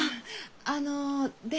あので。